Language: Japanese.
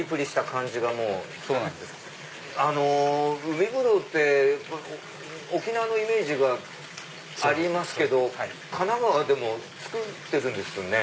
海ぶどうって沖縄のイメージがありますけど神奈川でも作ってるんですね。